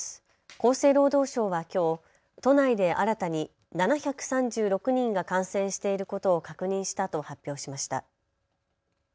厚生労働省はきょう都内で新たに７３６人が感染していることを確認したと発表しました。